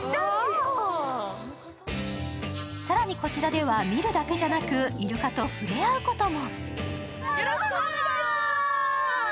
更にこちらでは見るだけじゃなくイルカと触れ合うことも。